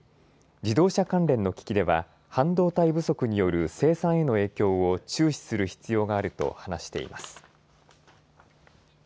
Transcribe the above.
自動車関連の機器では半導体不足による生産への影響を注視する必要があると話しています。